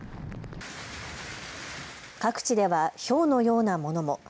各地ではひょうのようなものも。